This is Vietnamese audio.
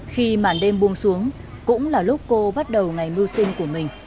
khi màn đêm buông xuống cũng là lúc cô bắt đầu ngày mưu sinh của mình